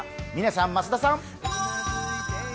嶺さん、増田さん。